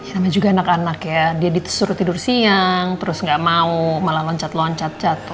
sama juga anak anak ya dia disuruh tidur siang terus nggak mau malah loncat loncat cat